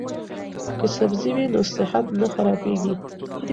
که سبزی وي نو صحت نه خرابیږي.